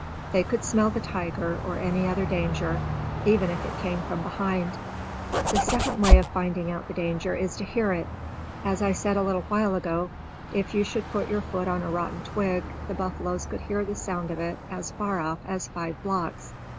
They could smell the tiger, or any other danger, even if it came from behind. The second way of finding out the danger is to hear it. As I said a little while ago, if you should put your foot on a rotten twig, the buffaloes could hear the sound of it as far off as five blocks.